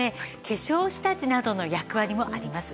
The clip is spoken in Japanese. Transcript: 化粧下地などの役割もあります。